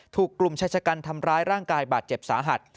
ถูกกลุ่มชายชะกันทำร้ายร่างกายบาดเจ็บสาหัส